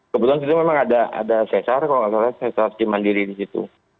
kebetulan memang ada sesar kalau tidak salah sesar cuman diri di situ